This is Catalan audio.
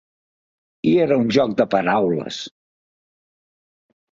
I era un joc de paraules!